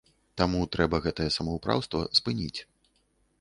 Таму трэба гэтае самаўпраўства спыніць.